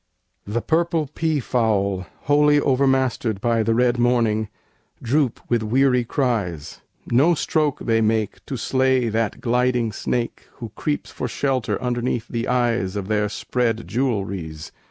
The purple peafowl, wholly overmastered By the red morning, droop with weary cries; No stroke they make to slay that gliding snake Who creeps for shelter underneath the eyes Of their spread jewelries!